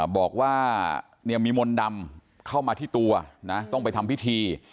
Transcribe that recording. บอกว่ามีมนต์ดำเข้ามาที่ตัวนะต้องไปทำพิธี